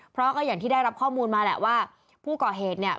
เพราะก็อย่างที่ได้รับข้อมูลมาแหละว่าผู้ก่อเหตุเนี่ย